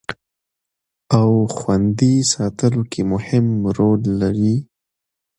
او خوندي ساتلو کې مهم رول لري